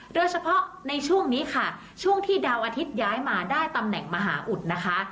โดยเฉพาะในช่วงนี้ค่ะช่วงที่ดาวอาทิตย้ายมาได้ตำแหน่งมหาอุดนะคะ